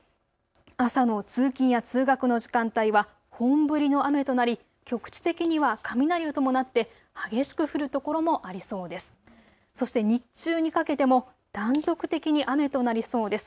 朝の通勤や通学の時間帯は本降りの雨となり局地的には雷を伴って激しく降る所もありそうです。